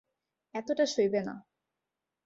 এতটা সইবে না।